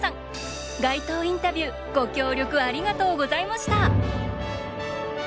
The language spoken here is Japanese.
街頭インタビューご協力ありがとうございました！